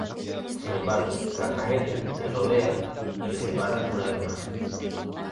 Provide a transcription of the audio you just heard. Sin embargo, la tragedia les rodea y les separa una vez más.